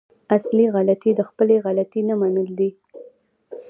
اصلي غلطي د خپلې غلطي نه منل دي.